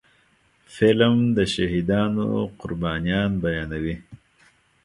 فلم د شهیدانو قربانيان بیانوي